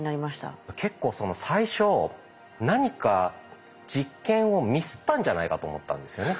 結構最初何か実験をミスったんじゃないかと思ったんですよね。